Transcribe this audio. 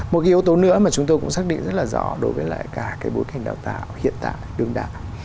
một cái yếu tố nữa mà chúng tôi cũng xác định rất là rõ đối với lại cả cái bối cảnh đào tạo hiện tại đương đại